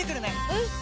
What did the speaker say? うん！